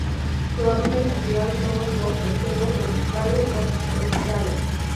Se hábitat natural son los bosques secos tropicales o subtropicales.